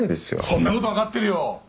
そんなこと分かってるよ！